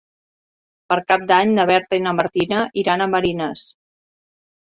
Per Cap d'Any na Berta i na Martina iran a Marines.